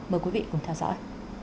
mời quý vị cùng theo dõi